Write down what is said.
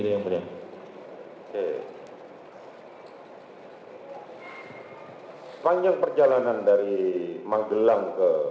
dan saya menyiapkan barang